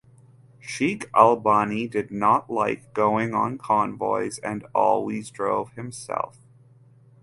Sheikh Albani did not like going on convoys and always drove himself.